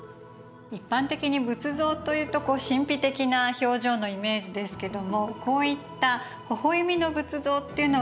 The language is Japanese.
一般的に仏像というとこう神秘的な表情のイメージですけどもこういったほほ笑みの仏像っていうのは親近感が湧きますね。